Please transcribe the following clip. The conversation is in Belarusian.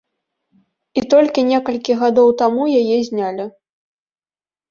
І толькі некалькі гадоў таму яе знялі.